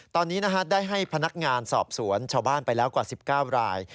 ตอนนี้ได้ให้พนักงานสอบสวนชาวบ้านไปแล้วกว่า๑๙ราย